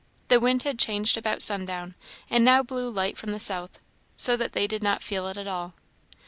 The wind had changed about sundown, and now blew light from the south, so that they did not feel it all.